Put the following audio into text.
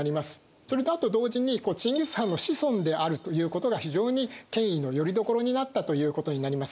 それとあと同時にチンギス・ハンの子孫であるということが非常に権威のよりどころになったということになります。